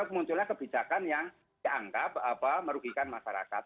munculnya kebijakan yang dianggap merugikan masyarakat